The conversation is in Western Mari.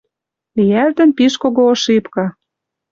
Лиӓлтӹн пиш кого ошибка: